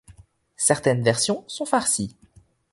Certaines versions sont farcies.